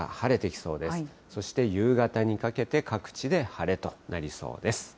そして夕方にかけて、各地で晴れとなりそうです。